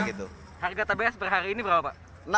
harga tbs per hari ini berapa pak